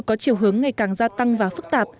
có chiều hướng ngày càng gia tăng và phức tạp